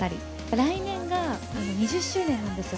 来年が２０周年なんですよ。